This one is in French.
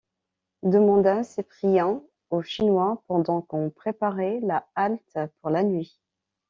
demanda Cyprien au Chinois, pendant qu’on préparait la halte pour la nuit.